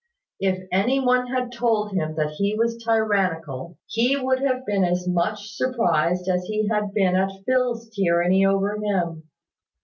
If any one had told him that he was tyrannical, he would have been as much surprised as he had been at Phil's tyranny over him.